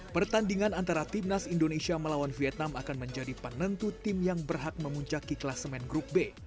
pertandingan antara timnas indonesia melawan vietnam akan menjadi penentu tim yang berhak memuncaki kelasemen grup b